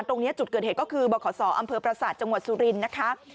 ตรงนี้จุดเกิดเหตุก็คือบขสอพระศาสตร์จังหวัดสุฬินนะคะ